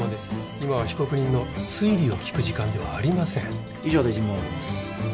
今は被告人の推理を聞く時間ではありません以上で尋問を終わります